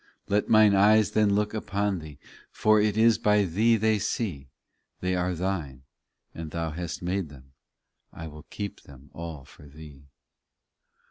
Let mine eyes then look upon Thee, For it is by Thee they see ; They are Thine, and Thou hast made them, I will keep them all for Thee.